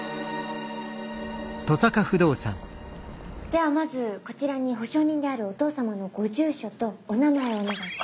ではまずこちらに保証人であるお父様のご住所とお名前をお願いします。